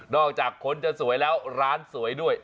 อกจากคนจะสวยแล้วร้านสวยด้วย